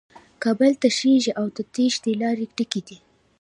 کابل تشېږي او د تېښې لارې ډکې دي.